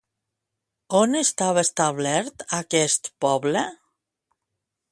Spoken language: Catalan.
On estava establert aquest poble?